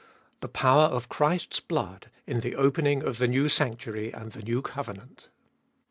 1 28. The Power of Christ's Blood in the opening of the New Sanctuary and the New Covenant.